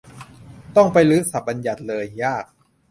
คงต้องไปรื้อศัพท์บัญญัติเลย ยาก